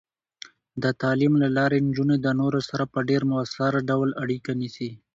د تعلیم له لارې، نجونې د نورو سره په ډیر مؤثر ډول اړیکه نیسي.